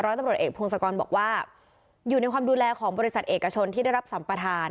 ตำรวจเอกพงศกรบอกว่าอยู่ในความดูแลของบริษัทเอกชนที่ได้รับสัมประธาน